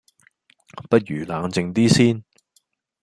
不如冷靜啲先